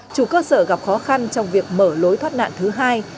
chủ cơ sở gặp khó khăn trong việc mở lối thoát nạn thứ hai